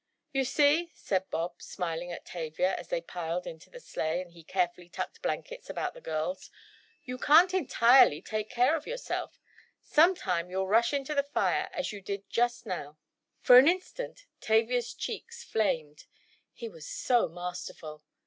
"You see," said Bob, smiling at Tavia, as they piled into the sleigh and he carefully tucked blankets about the girls, "you can't entirely take care of yourself—some time you'll rush into the fire, as you did just now." For an instant Tavia's cheeks flamed. He was so masterful!